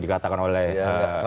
dikatakan oleh pak ferry